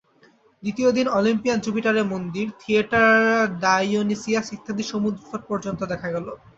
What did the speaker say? দ্বিতীয় দিন ওলিম্পিয়ান জুপিটারের মন্দির, থিয়েটার ডাইওনিসিয়াস ইত্যাদি সমুদ্রতট পর্যন্ত দেখা গেল।